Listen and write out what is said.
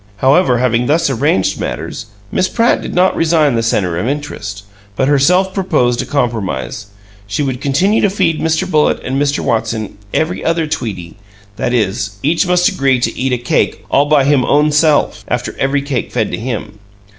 However, having thus arranged matters, Miss Pratt did not resign the center of interest, but herself proposed a compromise: she would continue to feed Mr. Bullitt and Mr. Watson "every other tweetie" that is, each must agree to eat a cake "all by him own self," after every cake fed to him.